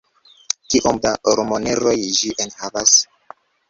kiom da ormoneroj ĝi enhavas?